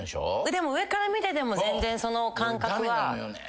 でも上から見てても全然その感覚は。